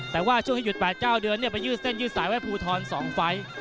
แต่ว่าช่วงที่หยุด๘๙เดือนไปยืดเส้นยืดสายไว้ภูทร๒ไฟล์